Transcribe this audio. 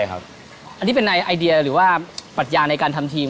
อันนี้เป็นในไอเดียหรือว่าปัญญาในการทำทีม